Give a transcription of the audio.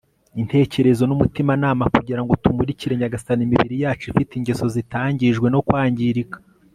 intekerezo n'umutimanama, kugira ngo tumurikire nyagasani imibiri yacu ifite ingeso zitangijwe no kwangirika